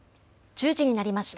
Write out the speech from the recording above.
１０時になりました。